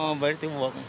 mau baik to work